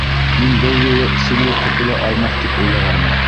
Мин был юлы Сильвер ҡотола алмаҫ тип уйлағайным.